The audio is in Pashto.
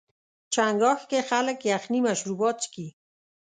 چنګاښ کې خلک یخني مشروبات څښي.